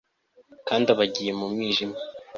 kandi aba agiye mu mwijima